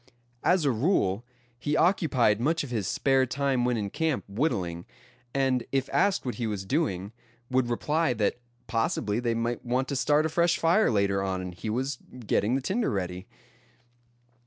As a rule, he occupied much of his spare time when in camp whittling; and if asked what he was doing, would reply that possibly they might want to start a fresh fire later on, and he was getting the tinder ready.